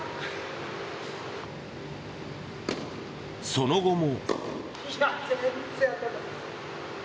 その後も。